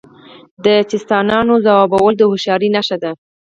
د چیستانونو ځوابول د هوښیارۍ نښه ده.